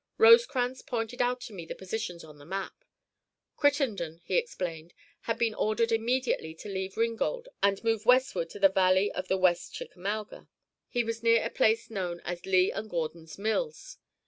Rosecrans pointed out to me the positions on the map. Crittenden, he explained, had been ordered immediately to leave Ringgold and move westward to the valley of the West Chickamauga. He was near a place known as Lee and Gordon's Mills.